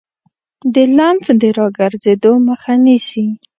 د لمف د راګرځیدو مخه نیسي.